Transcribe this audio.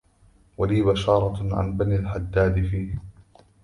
ولى بشارة عن بني الحداد في